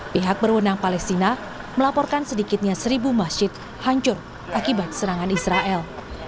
pihak berwenang palestina melaporkan sedikitnya seribu masjid hancur akibat serangan israel